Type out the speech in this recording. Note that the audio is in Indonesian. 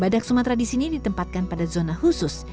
badak sumatera di sini ditempatkan pada zona khusus